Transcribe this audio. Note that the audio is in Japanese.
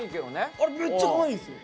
あれめっちゃかわいいんすよ。